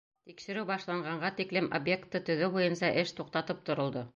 Тикшереү башланғанға тиклем объектты төҙөү буйынса эш туҡтатып торолдо.